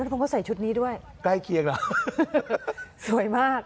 ผมก็ใส่ชุดนี้ด้วยใกล้เคียงเหรอสวยมาก